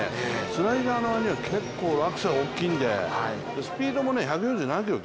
スライダーの割には結構、落差が大きいのでスピードも１４７キロ